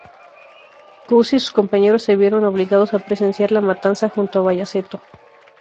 Coucy y sus compañeros se vieron obligados a presenciar la matanza junto a Bayaceto.